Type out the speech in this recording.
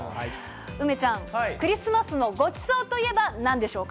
梅ちゃん、クリスマスのごちそうといえばなんでしょうか。